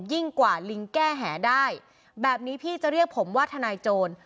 ยิ่งกว่าลิงแก้แหได้แบบนี้พี่จะเรียกผมว่าทนายโจร